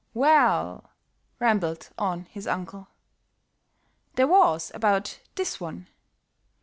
"Well," rambled on his uncle, "there was about this one.